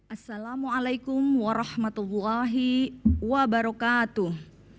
assalamu'alaikum warahmatullahi wabarakatuh